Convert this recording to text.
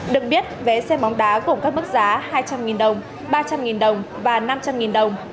được biết vé xe bóng đá gồm các mức giá hai trăm linh đồng ba trăm linh đồng và năm trăm linh đồng